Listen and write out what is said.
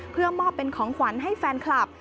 เพื่อมอบเป็นของขวัญให้แฟนคลับ